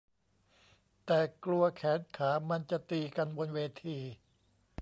แต่กลัวแขนขามันจะตีกันบนเวที